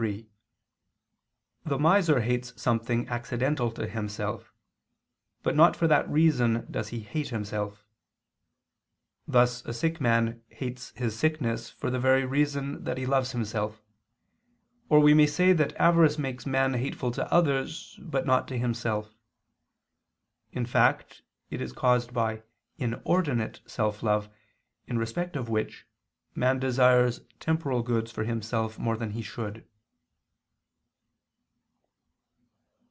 3: The miser hates something accidental to himself, but not for that reason does he hate himself: thus a sick man hates his sickness for the very reason that he loves himself. Or we may say that avarice makes man hateful to others, but not to himself. In fact, it is caused by inordinate self love, in respect of which, man desires temporal goods for himself more than he should.